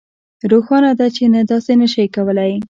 روښانه ده چې نه داسې نشئ کولی